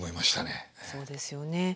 そうですよね。